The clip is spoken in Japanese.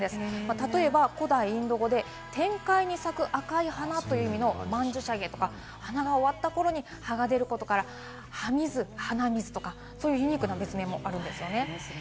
例えば古代インド語で、天界に咲く赤い花という意味の曼珠沙華とか、花が終わった頃に葉が出ることから、葉見ず花見ずとか、ユニークな別名もあるんです。